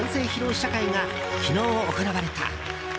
試写会が昨日行われた。